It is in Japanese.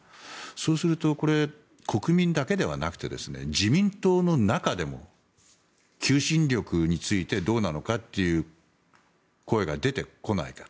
そうするとこれ、国民だけではなくて自民党の中でも求心力についてどうなのかという声が出てこないか。